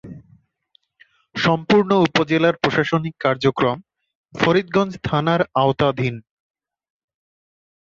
সম্পূর্ণ উপজেলার প্রশাসনিক কার্যক্রম ফরিদগঞ্জ থানার আওতাধীন।